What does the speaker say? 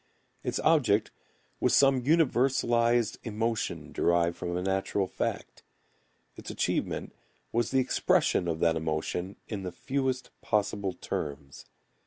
Its object was some universalized emotion derived from a natural fact. Its achievement was the expression of that emotion in the fewest possible terms.